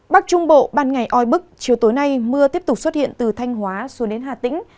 bắc trung bộ ban ngày oi bức chiều tối nay mưa tiếp tục xuất hiện từ thanh hóa xuống đến hà tĩnh